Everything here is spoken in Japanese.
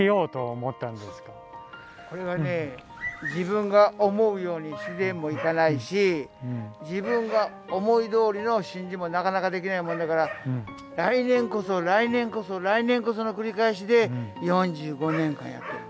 これはね自分が思うように自然もいかないし自分が思いどおりの真珠もなかなかできないもんだから来年こそ来年こそ来年こその繰り返しで４５年間やってる。